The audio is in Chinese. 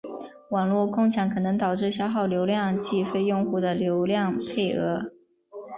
网络共享可能导致消耗流量计费用户的流量配额。